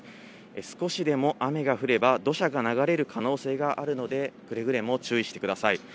少しでも雨が降れば、土砂が流れる可能性があるので、くれぐれも注意してください。